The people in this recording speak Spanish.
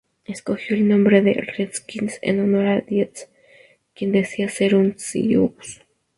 Escogió el nombre de "Redskins" en honor a Dietz, quien decía ser un sioux.